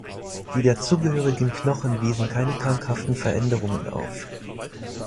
Die dazugehörigen Knochen wiesen keine krankhaften Veränderungen auf.